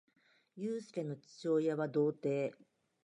ゆうすけの父親は童貞